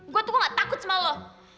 gue tuh kok gak takut sama lo